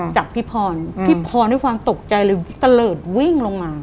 จากพี่พรพี่พรด้วยความตกใจเลยพี่ตะเลิศวิ่งลงมา